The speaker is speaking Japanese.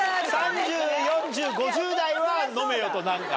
３０４０５０代は飲めよと何か。